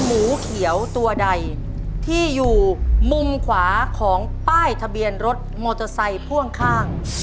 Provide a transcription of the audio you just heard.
หมูเขียวตัวใดที่อยู่มุมขวาของป้ายทะเบียนรถมอเตอร์ไซค์พ่วงข้าง